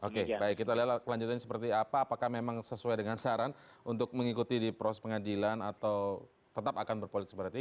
oke baik kita lihat kelanjutan seperti apa apakah memang sesuai dengan saran untuk mengikuti di proses pengadilan atau tetap akan berpolitik berarti